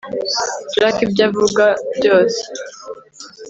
Jack ibyo avuga byose